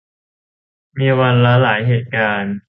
มีวันละหลายเหตุการณ์